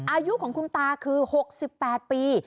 อายุของคุณตาคือ๖๘ปี